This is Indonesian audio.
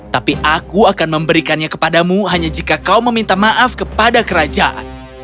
tapi aku akan memberikannya kepadamu hanya jika kau meminta maaf kepada kerajaan